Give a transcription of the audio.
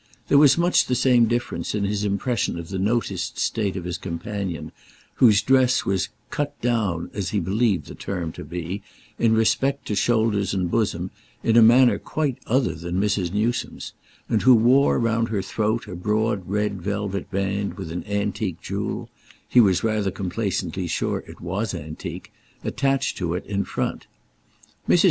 There was much the same difference in his impression of the noticed state of his companion, whose dress was "cut down," as he believed the term to be, in respect to shoulders and bosom, in a manner quite other than Mrs. Newsome's, and who wore round her throat a broad red velvet band with an antique jewel—he was rather complacently sure it was antique—attached to it in front. Mrs.